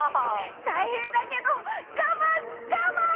たいへんだけどがまんがまん！